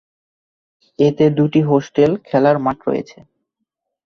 এতে দুটি হোস্টেল খেলার মাঠ রয়েছে।